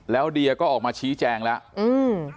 แล้วเดียก็ออกมาชี้แจงแล้วอืม